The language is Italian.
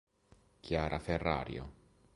Chiara Ferrario